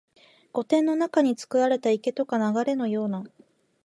御殿の中につくられた池とか流れのような、